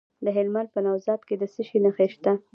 د هلمند په نوزاد کې د څه شي نښې دي؟